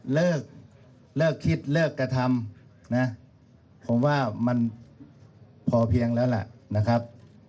เลิกเลิกคิดเลิกกระทำนะผมว่ามันพอเพียงแล้วล่ะนะครับ